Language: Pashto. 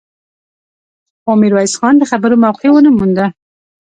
خو ميرويس خان د خبرو موقع ونه مونده.